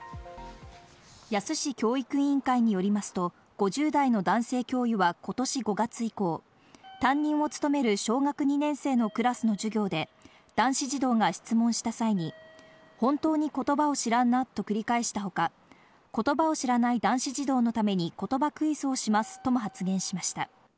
野洲市教育委員会によりますと、５０代の男性教諭は今年５月以降、担任を務める小学２年生のクラスの授業で、男子児童が質問した際に本当に言葉を知らんなと繰り返したほか、言葉を知らない男子児童のために言葉クイズをしますとも発言しました。